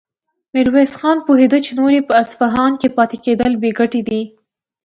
ميرويس خان پوهېده چې نور يې په اصفهان کې پاتې کېدل بې ګټې دي.